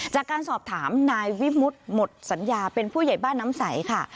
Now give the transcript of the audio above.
จากการสอบถามนายวิมุติหมดสัญญาเป็นผู้ใหญ่บ้านน้ำใสค่ะ